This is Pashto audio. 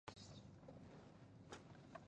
• زوی د پلار د لاس برکت وي.